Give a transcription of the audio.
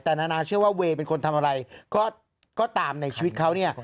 แต่นานาเชื่อว่าเวย์เป็นคนทำอะไรก็ตามในชีวิตเขาเนี่ย